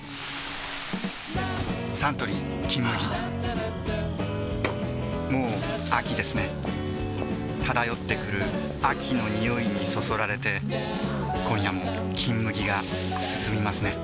サントリー「金麦」もう秋ですね漂ってくる秋の匂いにそそられて今夜も「金麦」がすすみますね